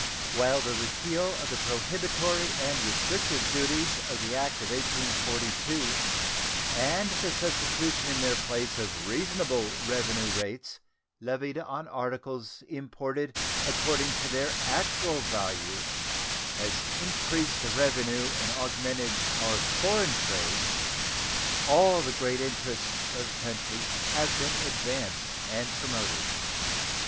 While the repeal of the prohibitory and restrictive duties of the act of 1842 and the substitution in their place of reasonable revenue rates levied on articles imported according to their actual value has increased the revenue and augmented our foreign trade, all the great interests of the country have been advanced and promoted.